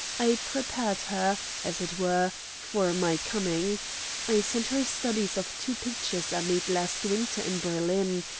I prepared her, as it were, for my coming. I sent her studies of two pictures I made last winter in Berlin.